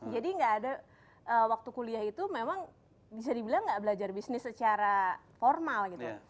jadi gak ada waktu kuliah itu memang bisa dibilang gak belajar bisnis secara formal gitu